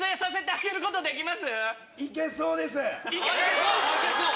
いけそう！